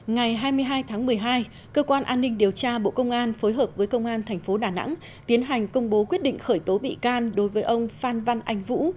ngày hai mươi hai tháng một mươi hai cơ quan an ninh điều tra bộ công an phối hợp với công an tp đà nẵng tiến hành công bố quyết định khởi tố bị can đối với ông phan văn anh vũ